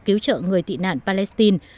cứu trợ người tị nạn palestine